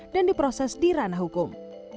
dan diproses di ranah hukum